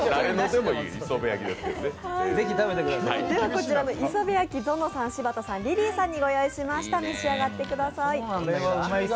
こちらの磯辺焼き、ぞのさんｍ柴田さん、リリーさんにご用意しました、召し上がってください。